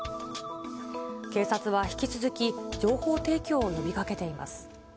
警察は引き続き、情報提供を呼びかけています。